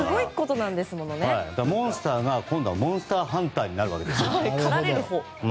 だから、モンスターが今度はモンスターハンターになるわけですよ。狩られるほう。